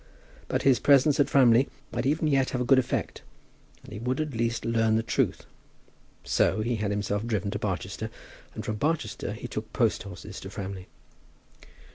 But his presence at Framley might even yet have a good effect, and he would at least learn the truth. So he had himself driven to Barchester, and from Barchester he took post horses to Framley.